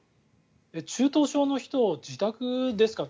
中等症の人を自宅ですかと。